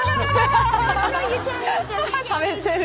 食べてる！